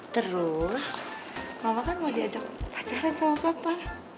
terus mama kan mau diajak pacaran sama papa